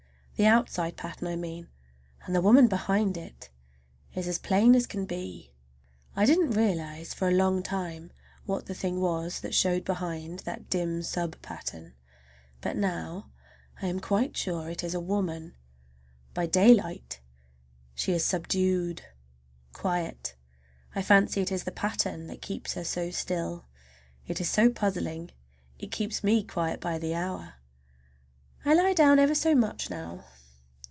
The outside pattern I mean, and the woman behind it is as plain as can be. I didn't realize for a long time what the thing was that showed behind,—that dim sub pattern,—but now I am quite sure it is a woman. By daylight she is subdued, quiet. I fancy it is the pattern that keeps her so still. It is so puzzling. It keeps me quiet by the hour. I lie down ever so much now.